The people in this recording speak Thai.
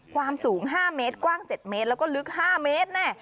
ความสูง๕เมตรกว้าง๗เมตรแล้วก็ลึก๕เมตรแน่